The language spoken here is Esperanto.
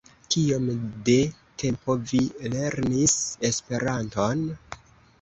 Kiom de tempo vi lernis Esperanton?